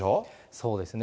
そうですね。